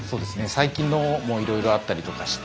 最近のもいろいろあったりとかして。